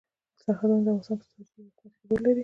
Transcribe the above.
سرحدونه د افغانستان په ستراتیژیک اهمیت کې رول لري.